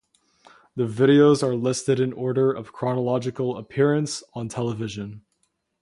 The videos are listed in order of chronological appearance on television.